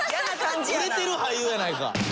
売れてる俳優やないか。